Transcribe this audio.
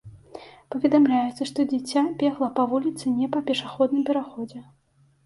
Паведамляецца, што дзіця бегла па вуліцы не па пешаходным пераходзе.